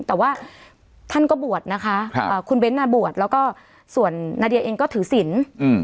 แต่ว่าท่านก็บวชนะคะคุณเบ้นบวชแล้วก็ส่วนนาเดียเองก็ถือศิลป์